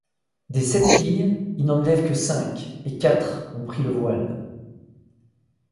Des sept filles, il n'en élève que cinq, et quatre ont pris le voile.